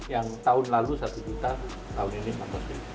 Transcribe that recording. yang tahun lalu satu juta tahun ini enam positif